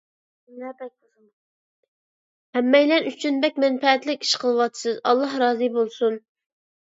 ھەممەيلەن ئۈچۈن بەك مەنپەئەتلىك ئىش قىلىۋاتىسىز، ئاللاھ رازى بولسۇن.